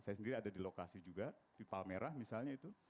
saya sendiri ada di lokasi juga di palmerah misalnya itu